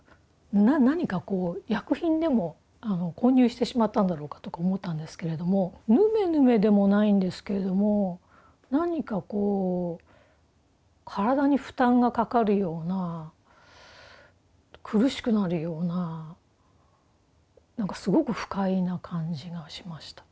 何か薬品でも混入してしまったんだろうか」とか思ったんですけれどもヌメヌメでもないんですけれども何かこう体に負担がかかるような苦しくなるような何かすごく不快な感じがしました。